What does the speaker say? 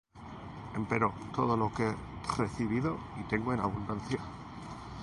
Empero todo lo he recibido, y tengo abundancia: